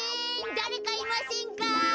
だれかいませんか？